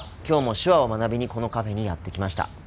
今日も手話を学びにこのカフェにやって来ました。